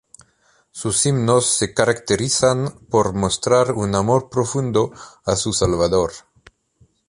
Sus himnos se caracterizan por mostrar un amor profundo a su Salvador.